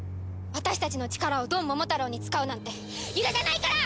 私たちの力をドンモモタロウに使うなんて許さないから！